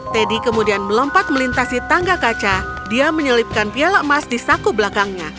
teddy kemudian melompat melintasi tangga kaca dia menyelipkan piala emas di saku belakangnya